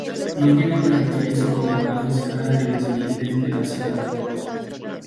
No tiene territorios subordinados fuera de los lindes de la ciudad.